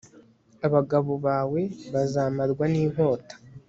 abagabo bawe bazamarwa n'inkota